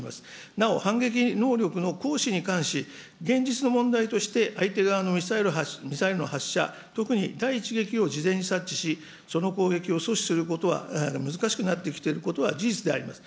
なお、反撃能力の行使に関し、現実の問題として、相手側のミサイルの発射、特に第１撃を事前に察知し、その攻撃を阻止することは難しくなってきていることは事実であります。